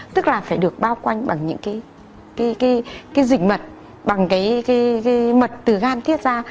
tức là phải được bao quanh bằng những cái dịch mật bằng cái mật từ gan thiết ra